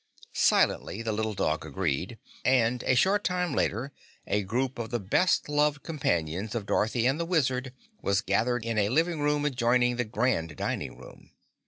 Silently the little dog agreed, and a short time later a group of the best loved companions of Dorothy and the Wizard was gathered in a living room adjoining the Grand Dining room.